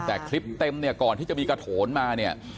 แต่คลิปเต็มเนี่ยก่อนที่จะมีกระโถนมาเนี่ย